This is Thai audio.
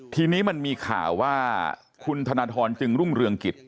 ทีนี้มันมีข่าวว่าคุณธนทรจึงรุ่งเรืองกิจ